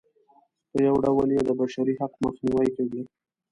په یوه ډول یې د بشري حق مخنیوی کوي.